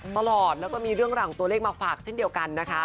ตลอดแล้วก็มีเรื่องหลังตัวเลขมาฝากเช่นเดียวกันนะคะ